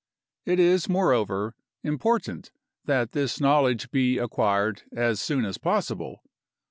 It is, moreover, important that this knowledge be acquired as soon as possible.